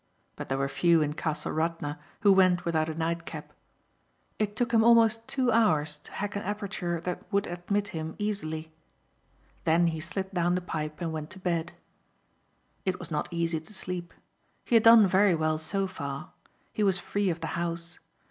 But there were few in Castle Radna who went without a nightcap. It took him almost two hours to hack an aperture that would admit him easily. Then he slid down the pipe and went to bed. It was not easy to sleep. He had done very well so far. He was free of the house.